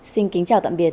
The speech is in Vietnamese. xin kính chào tạm biệt